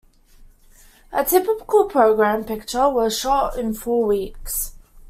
A typical program picture was shot in four weeks.